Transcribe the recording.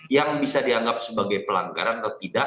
yang bisa dianggap sebagai pelanggaran atau tidak